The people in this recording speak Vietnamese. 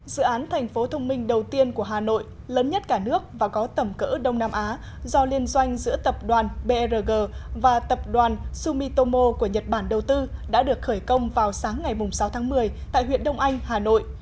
dự án thành phố thông minh đầu tiên của hà nội lớn nhất cả nước và có tầm cỡ đông nam á do liên doanh giữa tập đoàn brg và tập đoàn sumitomo của nhật bản đầu tư đã được khởi công vào sáng ngày sáu tháng một mươi tại huyện đông anh hà nội